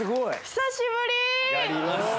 久しぶり！